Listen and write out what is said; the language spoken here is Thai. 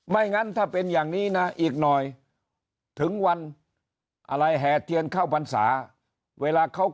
งั้นถ้าเป็นอย่างนี้นะอีกหน่อยถึงวันอะไรแห่เทียนเข้าพรรษาเวลาเขา